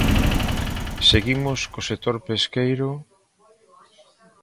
Seguimos co sector pesqueiro...